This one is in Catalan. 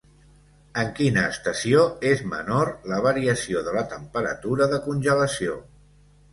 En quina estació és menor la variació de la temperatura de congelació?